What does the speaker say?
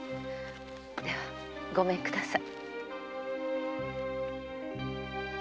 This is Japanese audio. ではごめんください。